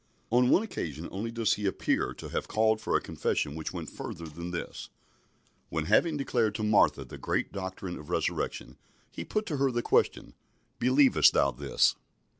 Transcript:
On one occasion only does He appear to have called for a confession which went further than this, when, having declared to Martha the great doctrine of Resurrection, He put to her the question, "Believest thou this?"